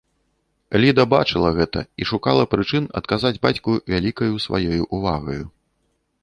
Ліда бачыла гэта і шукала прычын адказваць бацьку вялікаю сваёй увагаю.